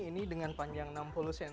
ini dengan panjang enam puluh cm